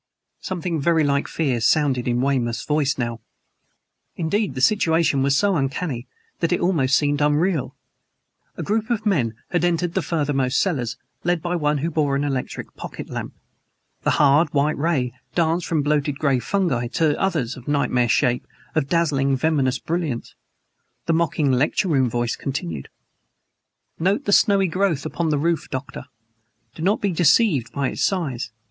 Something very like fear sounded in Weymouth's voice now. Indeed, the situation was so uncanny that it almost seemed unreal. A group of men had entered the farthermost cellars, led by one who bore an electric pocket lamp. The hard, white ray danced from bloated gray fungi to others of nightmare shape, of dazzling, venomous brilliance. The mocking, lecture room voice continued: "Note the snowy growth upon the roof, Doctor. Do not be deceived by its size.